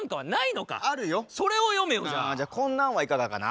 こんなんはいかがかな？